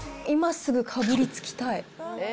今すぐかぶりつきたい。